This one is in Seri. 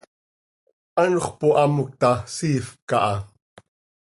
Anxö pohamoc ta, siifp caha.